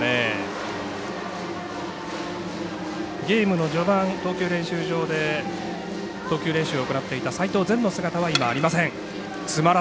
ゲームの序盤投球練習場で投球練習を行っていた齋藤禅の姿は今、ありません。